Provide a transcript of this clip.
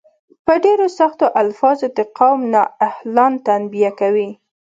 په ډیرو سختو الفاظو د قوم نا اهلان تنبیه کوي.